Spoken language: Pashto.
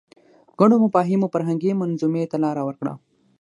ګڼو مفاهیمو فرهنګي منظومې ته لاره وکړه